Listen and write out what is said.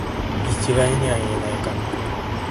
一概には言えないかな